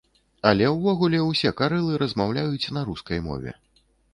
Але ўвогуле, усе карэлы размаўляюць на рускай мове.